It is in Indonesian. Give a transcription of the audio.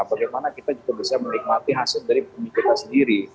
bagaimana kita juga bisa menikmati hasil dari bumi kita sendiri